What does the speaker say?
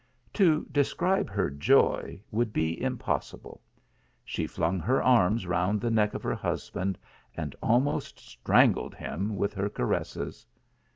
To describe her joy would be impossible. She flung her arms round the neck of her husband, and almost strangled him with her caresses.